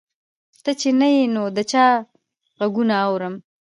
ته چې نه یې نو د چا غـــــــږونه اورم